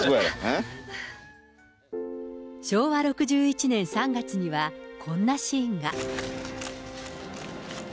昭和６１年３月には、こんなシーンが。